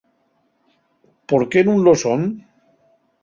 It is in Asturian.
¿Por qué nun lo son?